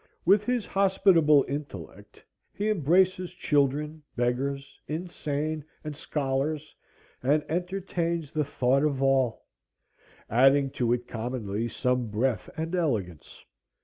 With his hospitable intellect he embraces children, beggars, insane, and scholars, and entertains the thought of all, adding to it commonly some breadth and elegance.